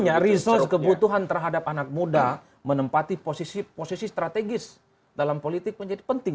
artinya resource kebutuhan terhadap anak muda menempati posisi strategis dalam politik menjadi penting